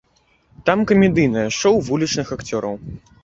Там камедыйнае шоў вулічных акцёраў.